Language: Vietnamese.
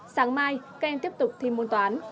sáng mai các em tiếp tục thi môn toán